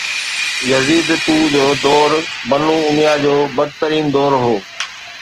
Yazid II جو دور بنواميه جو بدترين دور هو